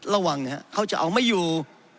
ระวังนะครับเขาจะเอาไม่อยู่